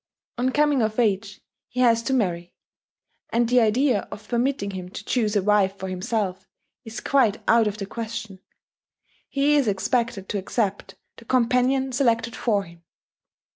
On coming of age, he has to marry; and the idea of permitting him to choose a wife for himself is quite out of the question: he is expected to accept the companion selected for him.